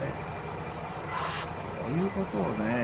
ああーこういう事をね